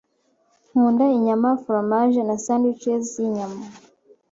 Nkunda inyama, foromaje na sandwiches y'inyanya.